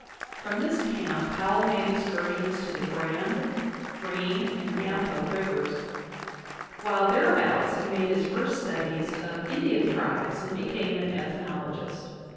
From this camp Powell made excursions to the Grand, Green, and Yampa Rivers, while thereabouts he made his first studies of Indian tribes and became an ethnologist.